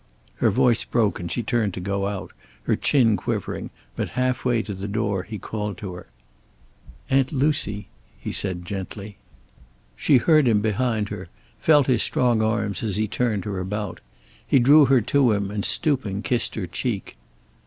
Her voice broke and she turned to go out, her chin quivering, but half way to the door he called to her. "Aunt Lucy " he said gently. She heard him behind her, felt his strong arms as he turned her about. He drew her to him and stooping, kissed her cheek.